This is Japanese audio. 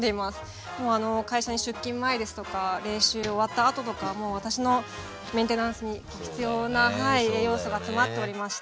もう会社に出勤前ですとか練習終わったあととかもう私のメンテナンスに必要な栄養素が詰まっておりまして。